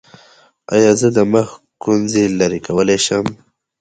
ایا زه د مخ ګونځې لرې کولی شم؟